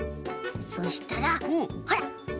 そしたらほら！